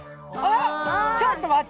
ちょっとまって。